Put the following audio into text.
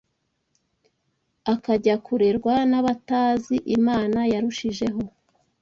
akajya kurerwa n’abatazi Imana, yarushijeho